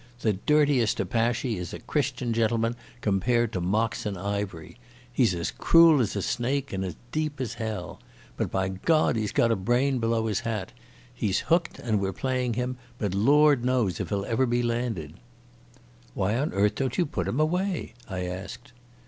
The dirtiest apache is a Christian gentleman compared to Moxon Ivery. He's as cruel as a snake and as deep as hell. But, by God, he's got a brain below his hat. He's hooked and we're playing him, but Lord knows if he'll ever be landed!" "Why on earth don't you put him away?" I asked.